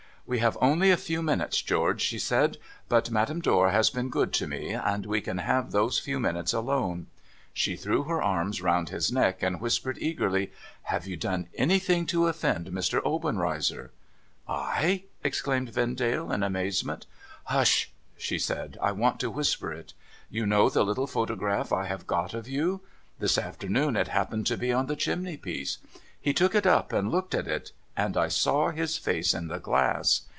' We have only a few minutes, George,' she said. ' But Madame Dor has been good to me — and we can have those few minutes alone.' She threw her arras round his neck, and whispered eagerly, ' Have you done anything to offend Mr. Obenreizer ?'' I !' exclaimed Vendale, in amazement. ' Hush !' she said, ' I want to whisper it. You know the little photograph I have got of you. This afternoon it happened to be on the chimney piece. He took it up and looked at it — and I saw his face in the glass.